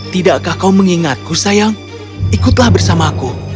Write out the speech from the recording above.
tidakkah kau mengingatku sayang ikutlah bersamaku